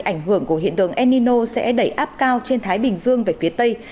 ảnh hưởng của hiện tượng enino sẽ đẩy áp cao trên thái bình dương về phía tây